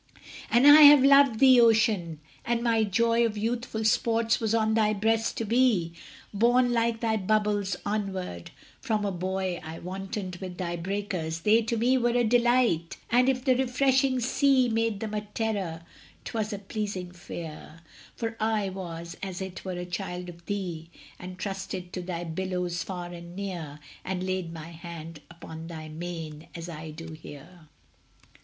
And I have loved thee, Ocean! and my joy Of youthful sports was on thy breast to be Borne, like thy bubbles, onward; from a boy I wantoned with thy breakers they to me Were a delight; and if the freshening sea Made them a terror 'twas a pleasing fear, For I was as it were a child of thee, And trusted to thy billows far and near, And laid my hand upon thy mane as I do here.